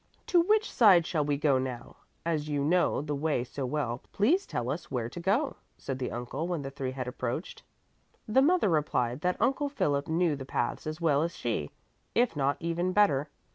"To which side shall we go now? As you know the way so well, please tell us where to go," said the uncle when the three had approached. The mother replied that Uncle Philip knew the paths as well as she, if not even better.